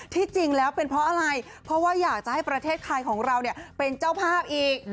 ที่จริงแล้วเป็นเพราะอะไรเพราะว่าอยากจะให้ประเทศไทยของเราเป็นเจ้าภาพอีก